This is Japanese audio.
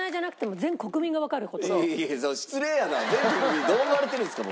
全国民にどう思われてるんですか僕。